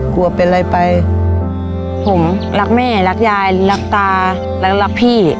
กลัวเป็นอะไรไปผมรักแม่รักยายรักตารักรักพี่